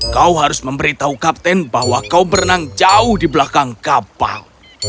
kau harus memberitahu kapten bahwa kau berenang jauh di belakang kapal